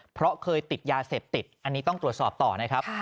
เพราะเคยติดยาเสพติดอันนี้ต้องตรวจสอบต่อนะครับ